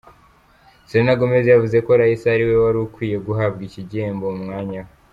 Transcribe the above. Serena Gomez yavuze ko Raisa ariwe warukwiye guhabwa iki gihembo mu mwanya we.